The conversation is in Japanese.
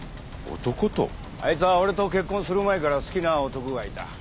あいつは俺と結婚する前から好きな男がいた。